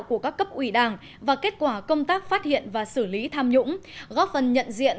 của các cấp ủy đảng và kết quả công tác phát hiện và xử lý tham nhũng góp phần nhận diện